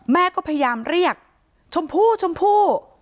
แม่ก็พยายามเรียกชมพู่ชมพู่